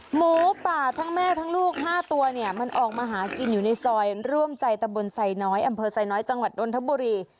หมูป่าทั้งแม่ทั้งลูก๕ตัวเนี่ยมันออกมาหากินอยู่ในซอยร่วมใจตะบนไซน้อยอำเภอไซน้อยจังหวัดนทบุรี